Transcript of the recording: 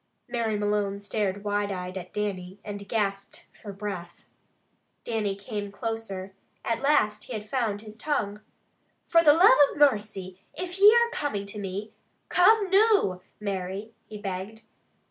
Mary Malone stared wide eyed at Dannie, and gasped for breath. Dannie came closer. At last he had found his tongue. "Fra the love of mercy, if ye are comin' to me, come noo, Mary" he begged.